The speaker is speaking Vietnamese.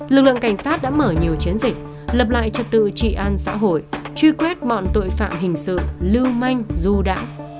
lực lượng cảnh sát đã mở nhiều chiến dịch lập lại trật tự trị an xã hội truy quét bọn tội phạm hình sự lưu manh du đạn